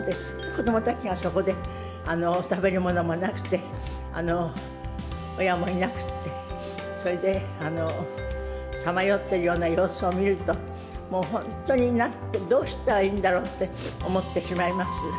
子どもたちがそこで、食べる物もなくて、親もいなくて、それで、さまよっているような様子を見ると、もう本当に、どうしたらいいんだろうって思ってしまいます。